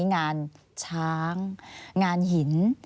งานช้างงานหิน